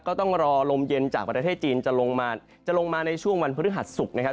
ก็ต้องรอลมเย็นจากประเทศจีนจะลงมาจะลงมาในช่วงวันพฤหัสศุกร์นะครับ